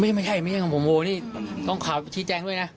ไม่ใช่ไม่ใช่ของผมโอนี่ต้องขอชี้แจงด้วยนะ